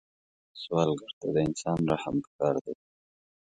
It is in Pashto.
سوالګر ته د انسان رحم پکار دی